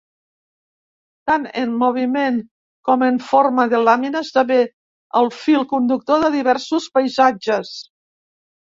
Tant en moviment com en forma de làmina, esdevé el fil conductor dels diversos paisatges.